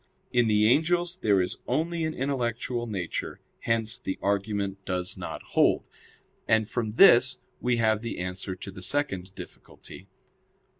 In the angels there is only an intellectual nature; hence the argument does not hold. And from this we have the answer to the second difficulty.